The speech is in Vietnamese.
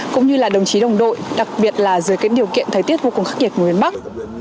cũng như là đồng chí đồng đội đặc biệt là dưới cái điều kiện thời tiết vô cùng khắc nghiệt của miền bắc